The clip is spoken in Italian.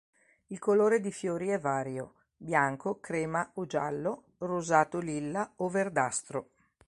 Il colore di fiori è vario: bianco, crema o giallo, rosato-lilla o verdastro.